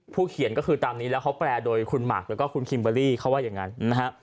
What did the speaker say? เขียนก็คือตามนี้แล้วเขาแปลโดยคุณหมากแล้วก็คุณคิมเบอร์รี่เขาว่าอย่างนั้นนะฮะ